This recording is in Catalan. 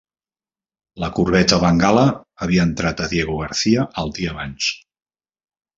La corveta "Bengala" havia entrat a Diego Garcia el dia abans.